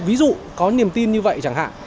ví dụ có niềm tin như vậy